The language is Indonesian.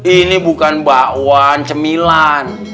ini bukan bakwan cemilan